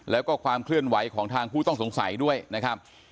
แล้วก็ความเคลื่อนไหวของทางผู้ต้องสงสัยด้วยนะครับ